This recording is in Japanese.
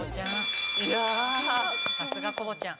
さすがコボちゃん。